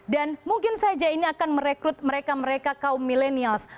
dan mungkin saja ini akan merekrut mereka mereka kaum millenials